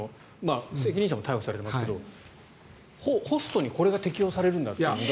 責任者も逮捕されていますがホストにこれが適用されるんだというのが。